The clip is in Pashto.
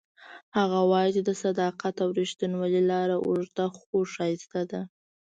هغه وایي چې د صداقت او ریښتینولۍ لاره اوږده خو ښایسته ده